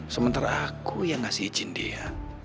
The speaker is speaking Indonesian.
sementara aku yang ngasih izin dia